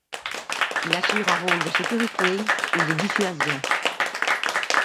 Il assure un rôle de sécurité et de dissuasion.